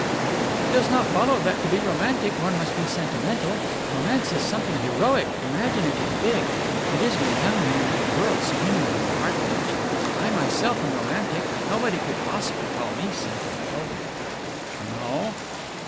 "It does not follow that to be romantic one must be sentimental. Romance is something heroic, imaginative, big; it isn't a young man and a girl spooning on a park bench. I myself am romantic, but nobody could possibly call me sentimental." "No?"